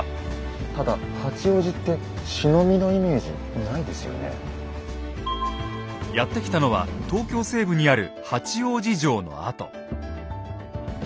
ただやって来たのは東京西部にある八王子城の跡。